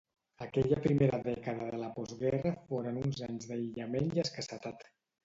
Aquella primera dècada de la postguerra foren uns anys d'aïllament i escassetat.